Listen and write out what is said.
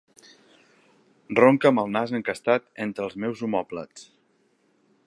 Ronca amb el nas encastat entre els meus omòplats.